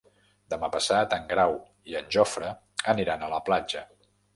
Demà passat en Grau i en Jofre aniran a la platja.